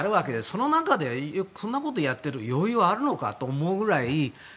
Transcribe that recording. その中で、そんなことをやっている余裕があるのかと思うくらい。